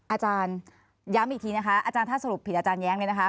อาจารย์ย้ำอีกทีนะคะอาจารย์ถ้าสรุปผิดอาจารย้งเนี่ยนะคะ